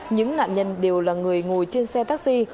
những nạn nhân đều là người ngồi trên xe taxi